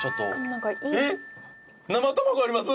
えっ生卵あります！？